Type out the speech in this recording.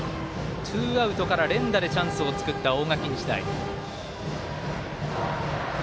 ツーアウトから連打でチャンスを作った大垣日大。